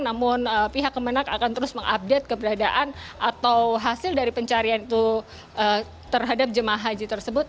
namun pihak kemenang akan terus mengupdate keberadaan atau hasil dari pencarian itu terhadap jemaah haji tersebut